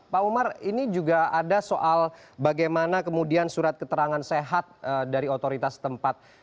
pak umar ini juga ada soal bagaimana kemudian surat keterangan sehat dari otoritas tempat